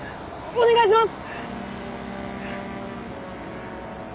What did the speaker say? お願いします！